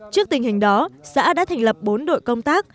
trước tình hình đó xã đã thành lập bốn đội công tác